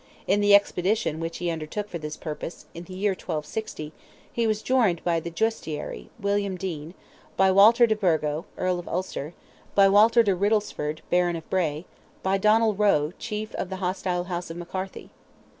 In the expedition which he undertook for this purpose, in the year 1260, he was joined by the Justiciary, William Dene, by Walter de Burgo, Earl of Ulster, by Walter de Riddlesford, Baron of Bray, by Donnel Roe, a chief of the hostile house of McCarthy.